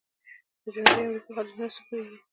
د جنوبي امریکا خلیجونه څه پوهیږئ؟